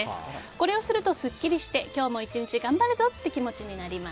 これをすると、すっきりして今日も１日頑張るぞ！という気持ちになります。